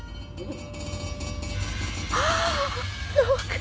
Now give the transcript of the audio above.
ん！